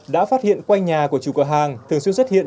đã phát hiện quanh nhà của chủ cửa hàng thường xuyên xuất hiện